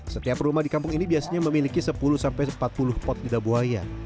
setiap rumah di kampung ini biasanya memiliki sepuluh empat puluh pot lidah buaya